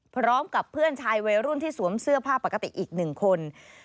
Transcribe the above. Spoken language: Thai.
พร้อมกับเพื่อนชายวัยรุ่นที่สวมเสื้อผ้าปกติอีกหนึ่งคน